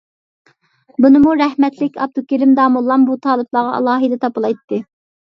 بۇنىمۇ رەھمەتلىك ئابدۇكېرىم داموللام بۇ تالىپلارغا ئالاھىدە تاپىلايتتى.